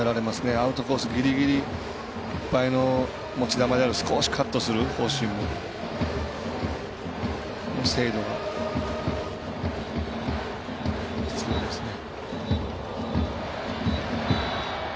アウトコースギリギリいっぱいの持ち球より少しカットするフォーシームの精度が必要ですね。